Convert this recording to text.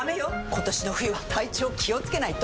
今年の冬は体調気をつけないと！